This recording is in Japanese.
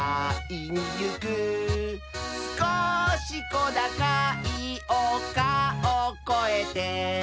「すこしこだかいおかをこえて」